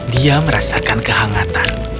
dia merasakan kehangatan